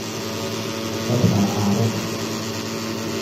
Ka tha aa rengh.